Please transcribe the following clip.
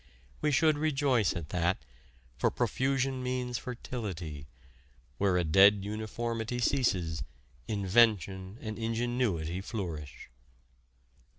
We should rejoice at that, for profusion means fertility; where a dead uniformity ceases, invention and ingenuity flourish.